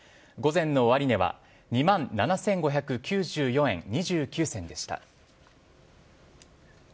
午前の終値は２万７５９４円２９銭でした。